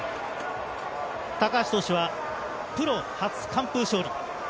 高橋投手はプロ初完封勝利。